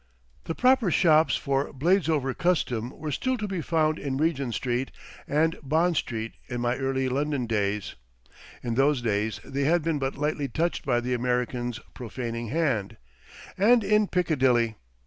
The proper shops for Bladesover custom were still to be found in Regent Street and Bond Street in my early London days in those days they had been but lightly touched by the American's profaning hand—and in Piccadilly.